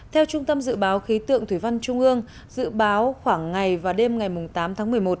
theo trung tâm dự báo khí tượng thủy văn trung ương dự báo khoảng ngày và đêm ngày tám tháng một mươi một